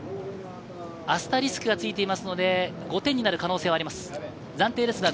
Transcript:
アスタリスクがついていますので、５点になる可能性もあります。